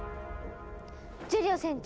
ジュリオ船長！